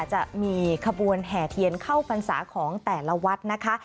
จะมีขบวนแห่เทียนเข้าพรรษาของแต่ละวัดนะคะ